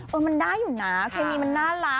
เออมันได้อยู่นะเคมีมันน่ารัก